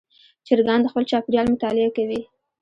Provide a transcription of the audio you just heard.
چرګان د خپل چاپېریال مطالعه کوي.